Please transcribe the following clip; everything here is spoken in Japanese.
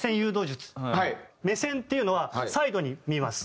目線っていうのはサイドに見ます。